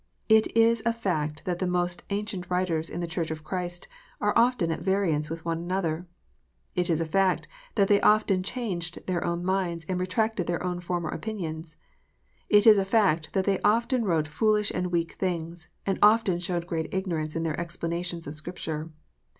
It is a fact that the most ancient writers in the Church of Christ are often at variance with one another. It is a fact that they often changed their own minds, and retracted their own former opinions. It is a fact that they often wrote foolish and weak things, and often showed great ignorance in their explanations of Scripture.